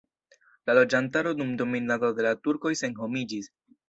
La loĝantaro dum dominado de la turkoj senhomiĝis.